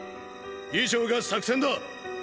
以上が作戦だ！！